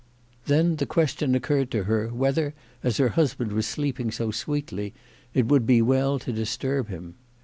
Then the question occurred to her whether, as her husband was sleeping so sweetly, it would be well to disturb him.